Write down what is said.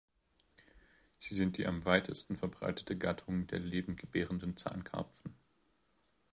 Sie sind die am weitesten verbreitete Gattung der Lebendgebärenden Zahnkarpfen.